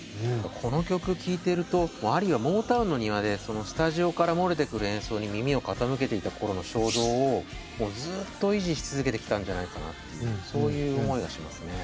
この曲聴いてるとアリーはモータウンの庭でスタジオから漏れてくる演奏に耳を傾けていた頃の衝動をもうずっと維持し続けてきたんじゃないかなというそういう思いがしますね。